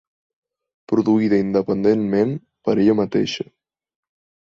Produïda independentment per a ella mateixa.